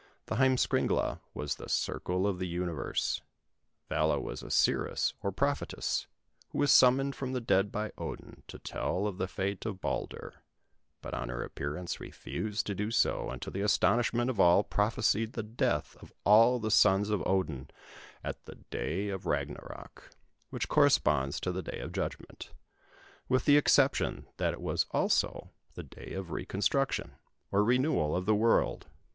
The Heimskringla was the circle of the universe. Vala was a seeress, or prophetess, who was summoned from the dead by Odin, to tell of the fate of Baldur; but on her appearance refused to do so, and to the astonishment of all, prophesied the death of all the sons of Odin at the day of Ragnaroc, which corresponds to the day of judgment, with the exception that it was also the day of reconstruction, or renewal of the world.